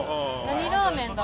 何ラーメンだ？